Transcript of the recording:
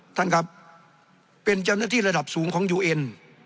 ท่านครับเป็นเจ้าหน้าที่ระดับสูงของยูเอ็น